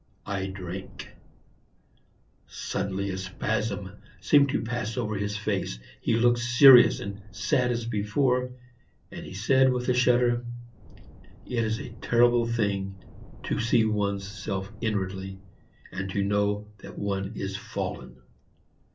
I drank." Suddenly a spasm seemed to pass over his face, he looked serious and sad as before, and he said, with a shudder, "It's a terrible thing to see one's self inwardly, and to know that one is fallen."